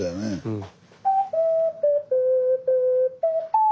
うん。